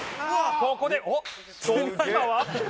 ここでおっ今は？